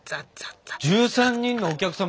１３人のお客さん